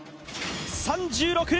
３６！